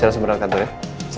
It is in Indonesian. saya langsung berangkat dulu ya